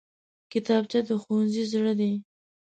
کتابچه د ښوونځي زړه دی